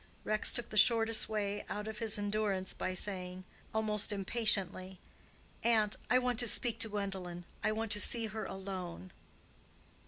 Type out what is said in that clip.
Rex took the shortest way out of his endurance by saying, almost impatiently, "Aunt, I want to speak to Gwendolen—I want to see her alone."